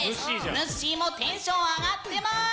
ぬっしーもテンション上がってます！